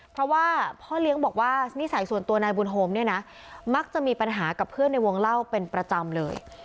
เพราะว่าพ่อเลี้ยงบอกว่านิสัยส่วนตัวนายบุญโฮมเนี่ยนะมักจะมีปัญหากับเพื่อนในวงเล่าเป็นประจำเลย